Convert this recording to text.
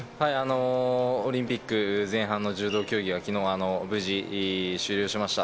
オリンピック前半の柔道競技は、きのう、無事終了しました。